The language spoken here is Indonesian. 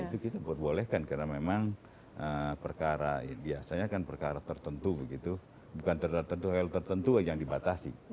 dan itu kita perbolehkan karena memang perkara biasanya kan perkara tertentu begitu bukan terdakwa tertentu hal tertentu yang dibatasi